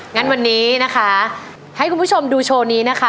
งั้นวันนี้นะคะให้คุณผู้ชมดูโชว์นี้นะคะ